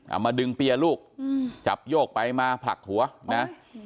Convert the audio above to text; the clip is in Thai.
เอามาดึงเปียร์ลูกอืมจับโยกไปมาผลักหัวนะ